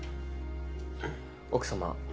奥様